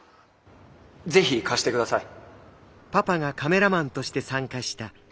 是非貸してください。